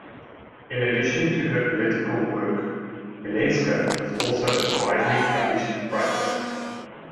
In addition to her political work, Vilenska was also a widely published writer.